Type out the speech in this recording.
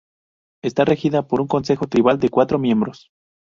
Está regida por un consejo tribal de cuatro miembros.